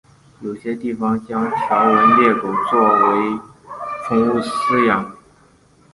有些地区将条纹鬣狗作为宠物饲养。